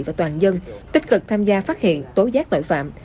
và toàn dân tích cực tham gia phát hiện tố giác tội phạm